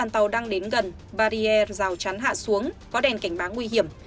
trong đường gần barrier rào chắn hạ xuống có đèn cảnh báo nguy hiểm